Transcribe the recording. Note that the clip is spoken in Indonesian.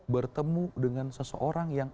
bertemu dengan seseorang yang